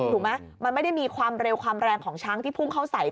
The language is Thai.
ถูกไหมมันไม่ได้มีความเร็วความแรงของช้างที่พุ่งเข้าใส่